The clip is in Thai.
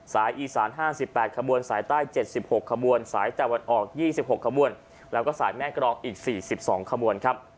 อีสาน๕๘ขบวนสายใต้๗๖ขบวนสายตะวันออก๒๖ขบวนแล้วก็สายแม่กรองอีก๔๒ขบวนครับ